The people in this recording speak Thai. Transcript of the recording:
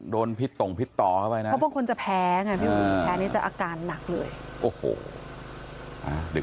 โดนพิษต่องพิษต่อเข้าไปนะเพราะพวกคุณจะแพ้แพ้นี้จะอาการหนักเลย